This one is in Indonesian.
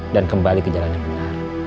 dan kembali ke jalan yang benar